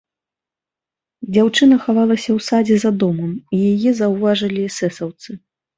Дзяўчына хавалася ў садзе за домам, і яе заўважылі эсэсаўцы.